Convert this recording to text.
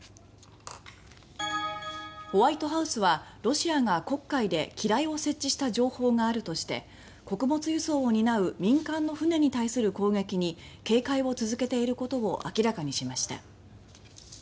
ホワイトハウスはロシアが黒海で機雷を設置した情報があるとして穀物輸送を担う民間の船に対する攻撃に警戒を続けていることを明らかにしました。